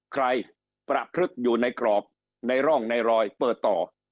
ประพฤกษ์อยู่ในกรอบในร่องในรอยเปิดต่อ